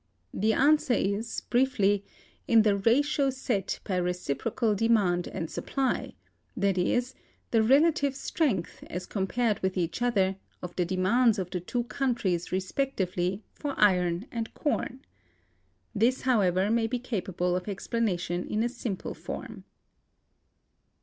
The answer is, briefly, in the ratio set by reciprocal demand and supply, that is, the relative strength, as compared with each other, of the demands of the two countries respectively for iron and corn. This, however, may be capable of explanation in a simple form.